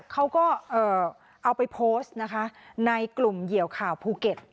เขาก็เอาไปโพสต์นะคะในกลุ่มเหยียวข่าวภูเก็ต